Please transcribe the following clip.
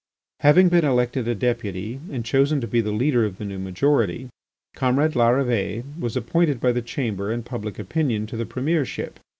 Having been elected a Deputy and chosen to be the leader of the new majority, comrade Larrivée was appointed by the Chamber and public opinion to the Premiership.